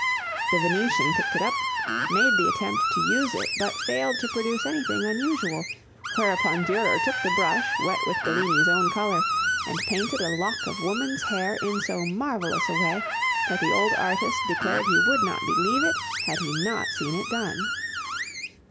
The Venetian picked it up, made the attempt to use it but failed to produce anything unusual, whereupon Durer took the brush wet with Bellini's own color and painted a lock of woman's hair in so marvelous a way that the old artist declared he would not believe it had he not seen it done.